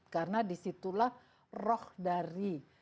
karena disitulah roh dari